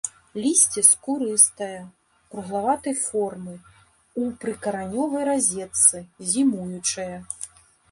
Лісце скурыстае, круглаватай формы, у прыкаранёвай разетцы, зімуючае.